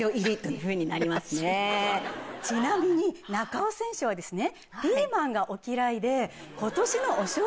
ちなみに中尾選手はですね。